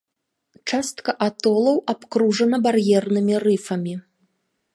Частка атолаў абкружана бар'ернымі рыфамі.